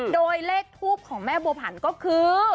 โดยเลขทูปของแม่บัวผันก็คือ